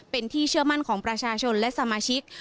เป็นที่เชื่อมั่นของประชาชนและสมาชิก